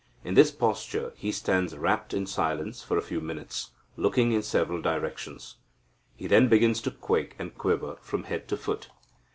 In this posture he stands rapt in silence for a few minutes, looking in several directions. He then begins to quake and quiver from head to foot.